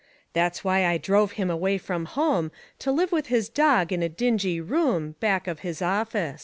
That's why I drove him away from home To live with his dog in a dingy room Back of his office.